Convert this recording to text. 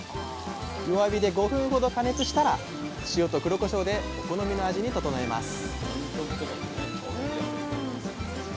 弱火で５分ほど加熱したら塩と黒こしょうでお好みの味に調えます